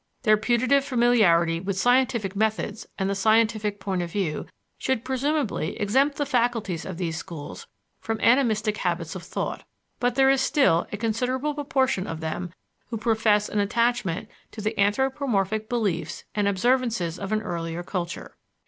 Their putative familiarity with scientific methods and the scientific point of view should presumably exempt the faculties of these schools from animistic habits of thought; but there is still a considerable proportion of them who profess an attachment to the anthropomorphic beliefs and observances of an earlier culture.